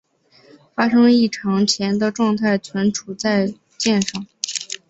发生异常前的状态存储在栈上。